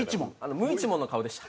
無一文の顔でした。